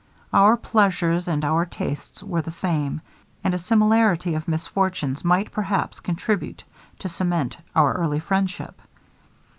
Our pleasures and our tastes were the same; and a similarity of misfortunes might, perhaps, contribute to cement our early friendship.